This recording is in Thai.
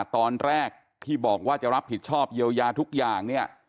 ตอนแรกที่บอกว่าจะรับผิดชอบเยียวยาทุกอย่างเนี่ย